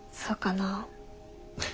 そうかなあ。